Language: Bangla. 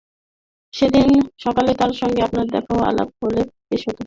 সেদিন সকালে তাঁর সঙ্গে আপনার দেখা ও আলাপ হলে বেশ হত।